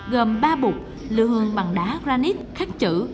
gồm ba bụt lưu hương bằng đá granite khắc chữ